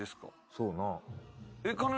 そうな。